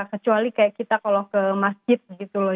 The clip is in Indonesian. kecuali kayak kita kalau ke masjid gitu loh